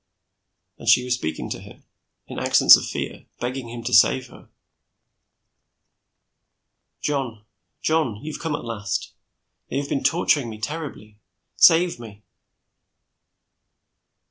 And she was speaking to him, in accents of fear, begging him to save her. "John, John, you have come at last. They have been torturing me terribly. Save me."